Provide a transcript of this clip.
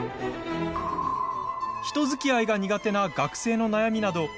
人づきあいが苦手な学生の悩みなど。